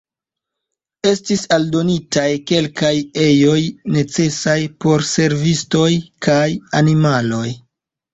Estis aldonitaj kelkaj ejoj necesaj por servistoj kaj animaloj.